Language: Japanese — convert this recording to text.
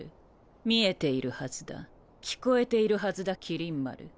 見えているはずだ聞こえているはずだ麒麟丸。